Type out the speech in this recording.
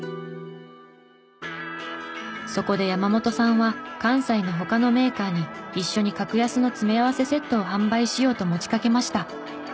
そこで山本さんは関西の他のメーカーに一緒に格安の詰め合わせセットを販売しようと持ちかけました。